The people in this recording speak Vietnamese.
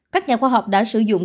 các nhà khoa học đã sử dụng